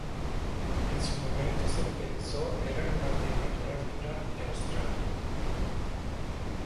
En su momento se pensó eran las de mayor altura de Australia.